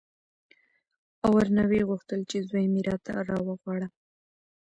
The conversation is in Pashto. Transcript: او ورنه ویې غوښتل چې زوی مې راته راوغواړه.